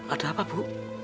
ada apa bu